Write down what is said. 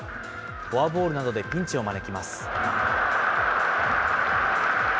フォアボールなどでピンチを招きます。